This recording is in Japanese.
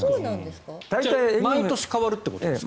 毎年変わるということですか？